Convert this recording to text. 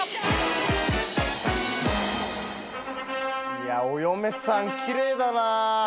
いやお嫁さん奇麗だな。